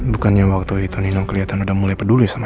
bukannya waktu itu nino kelihatan udah mulai peduli sama